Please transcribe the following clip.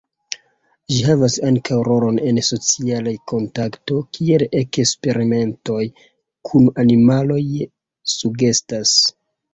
Ĝi havas ankaŭ rolon en socialaj kontakto, kiel eksperimentoj kun animaloj sugestas.